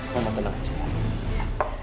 mama tenang aja ya